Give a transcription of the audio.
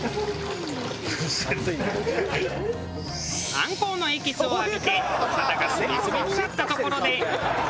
あんこうのエキスを浴びてお肌がスベスベになったところで。